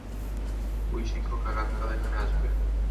ওই শিক্ষক আগামীকাল এখানে আসবে।